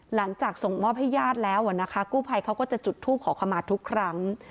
หลังจากส่งมอบให้ญาติแล้วนะคะกู้ภัยเขาก็จะจุดทูปขอขมาทุกครั้ง